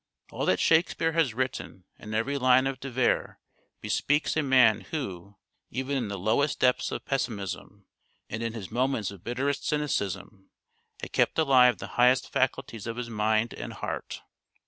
All that Shakespeare has written, and every line of De Vere, bespeaks a man who, even in the lowest depths of pessimism, and in his moments of bitterest cynicism, had kept alive the highest faculties of his mind and heart.